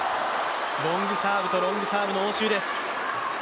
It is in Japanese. ロングサーブとロングサーブの応酬です。